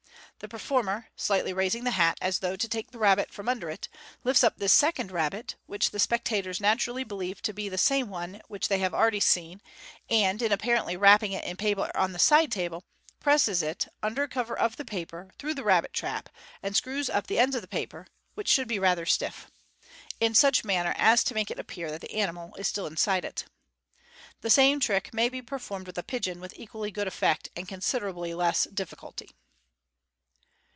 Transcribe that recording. The performer, slightly raising the hat, as though to take the rabbit from under it, lifts up this second rabbit, which the spectators naturally believe to be the same which they have already seen, and in apparently wrapping it in paper on the side table, presses it, under cover of the paper, through the rabbit trap, and screws up the ends of the paper (which should be rather stiff) in such manner as to make it appear that the animal is still inside it. The same trick may be performed with a pigeon with equally good effect, and con siderably less difficulty.